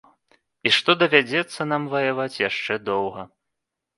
І што давядзецца нам ваяваць яшчэ доўга.